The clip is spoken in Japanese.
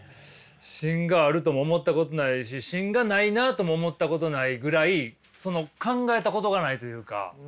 芯があるとも思ったことないし芯がないなとも思ったことないぐらいその考えたことがないというか。